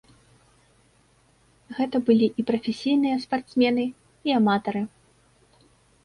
Гэта былі і прафесійныя спартсмены, і аматары.